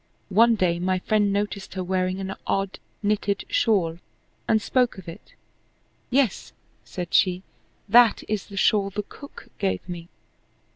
One day my friend noticed her wearing an odd knitted shawl, and spoke of it. "Yes," said she, "that is the shawl the cook gave me."